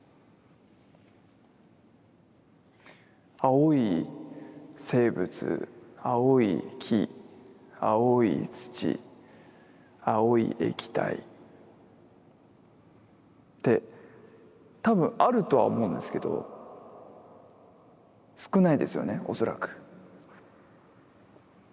青い生物青い木青い土青い液体って多分あるとは思うんですけど少ないですよね恐らく。